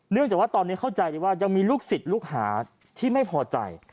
จากว่าตอนนี้เข้าใจเลยว่ายังมีลูกศิษย์ลูกหาที่ไม่พอใจ